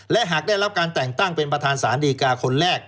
และหากได้รับการแต่งตั้งเป็นประธานสารดีกาคนแรก